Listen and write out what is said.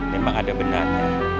memang ada benar